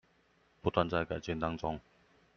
不斷在改進當中